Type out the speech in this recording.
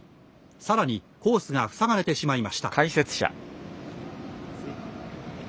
さらにコースがふさがれてしまいました。